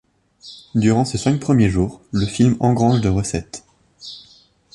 Durant ses cinq premiers jours, le film engrange de recette.